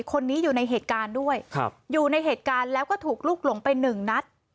คนนี้อยู่ในเหตุการณ์ด้วยอยู่ในเหตุการณ์แล้วก็ถูกลุกหลงไปหนึ่งนัด